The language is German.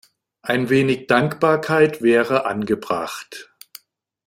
Ein wenig Dankbarkeit wäre angebracht.